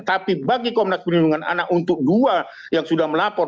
tapi bagi komnas perlindungan anak untuk dua yang sudah melapor